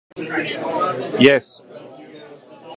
Dublin Chamber is one of the oldest such organisation in Europe.